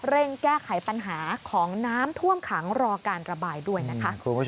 เร่งแก้ไขปัญหาของน้ำท่วมขังรอการระบายด้วยนะคะ